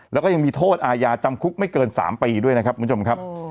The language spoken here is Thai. แล้วก็ยังมีโทษอาญาจำคุกไม่เกิน๓ปีด้วยนะครับคุณผู้ชมครับ